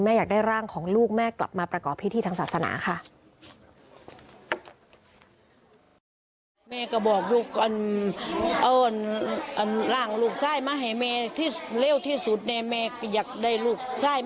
อยากได้ร่างของลูกแม่กลับมาประกอบพิธีทางศาสนาค่ะ